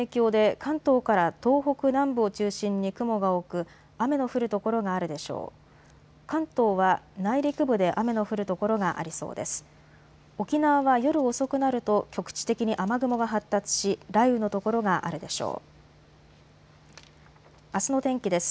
関東は内陸部で雨の降る所がありそうです。